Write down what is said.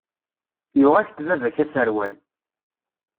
Yuɣ-ak-d baba-k aserwal.